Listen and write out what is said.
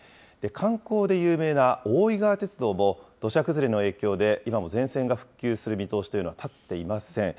観光で有名な大井川鉄道も、土砂崩れの影響で、今も全線が復旧する見通しというのは立っていません。